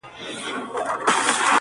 كوم خوشال به لړزوي په كټ كي زړونه!!